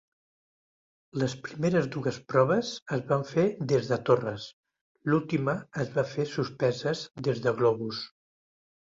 Les primeres dues proves es van fer des de torres, l'última es va fer suspeses des de globus.